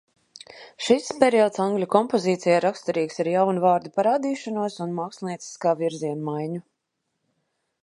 Šis periods angļu kompozīcijā raksturīgs ar jaunu vārdu parādīšanos un mākslinieciskā virziena maiņu.